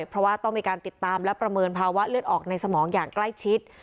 เพราะว่าต้องมีการติดตามและประเมินภาวะเลือดออกในสมองอย่างใกล้ชิด